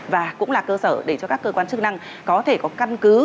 và cũng là cơ sở để cho các cơ quan chức năng có thể có căn cứ